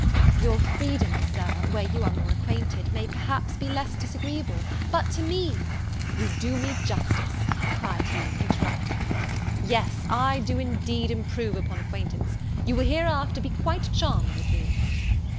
"Your freedom, Sir, where you are more acquainted, may perhaps be less disagreeable; but to me " "You do me justice," cried he, interrupting me, "yes, I do indeed improve upon acquaintance; you will hereafter be quite charmed with me."